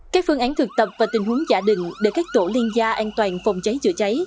các phương án thực tập và tình huống giả định để các tổ liên gia an toàn phòng cháy chữa cháy